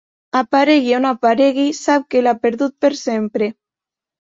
Aparegui o no aparegui, sap que l'ha perdut per sempre.